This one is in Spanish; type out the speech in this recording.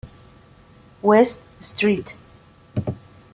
West St.